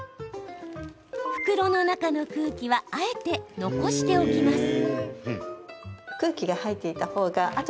袋の中の空気はあえて残しておきます。